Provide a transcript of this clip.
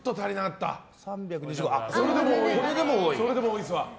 ３２５それでも多いですわ。